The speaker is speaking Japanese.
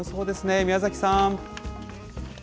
宮崎さん。